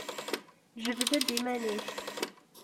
Jbed-d iman-ik!